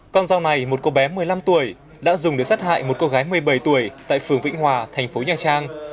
con dao này một cô bé một mươi năm tuổi đã dùng để sát hại một cô gái một mươi bảy tuổi tại phường vĩnh hòa thành phố nhà trang